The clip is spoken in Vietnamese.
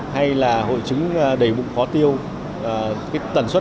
hay là hội chứng đầy bụng khó tiêu